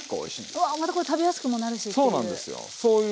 うわまたこれ食べやすくもなるしっていう。